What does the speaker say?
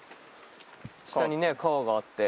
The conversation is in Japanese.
下にね川があって。